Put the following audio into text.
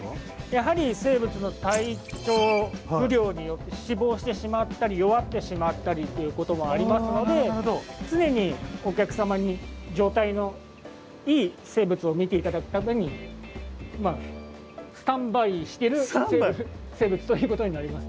やはり生物の体調不良によって死亡してしまったり弱ってしまったりということもありますので常にお客様に状態のいい生物を見て頂くためにスタンバイしてる生物ということになります。